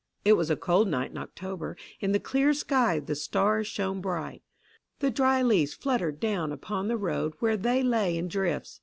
It was a cold night in October. In the clear sky the stars shone bright. The dry leaves fluttered down upon the road where they lay in drifts.